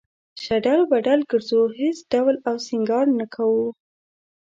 شډل بډل گرځو هېڅ ډول او سينگار نۀ کوو